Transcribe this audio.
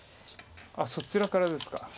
そちらからですか。